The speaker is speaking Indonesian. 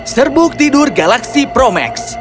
serbuk tidur galaxy pro max